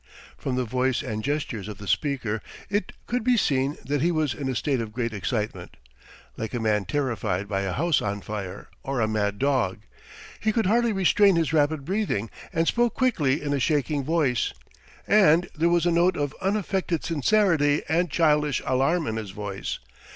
..." From the voice and gestures of the speaker it could be seen that he was in a state of great excitement. Like a man terrified by a house on fire or a mad dog, he could hardly restrain his rapid breathing and spoke quickly in a shaking voice, and there was a note of unaffected sincerity and childish alarm in his voice.